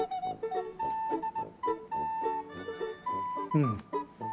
うん。